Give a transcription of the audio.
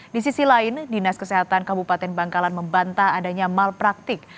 di sisi lain dinas kesehatan kabupaten bangkalan membantah adanya malpraktik